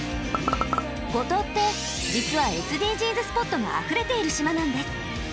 五島って実はＳＤＧｓスポットがあふれている島なんです！